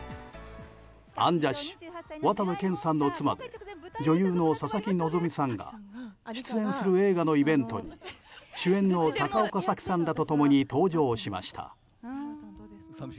アンジャッシュ渡部建さんの妻で女優の佐々木希さんが出演する映画のイベントに主演の高岡早紀さんらと共に登場しました。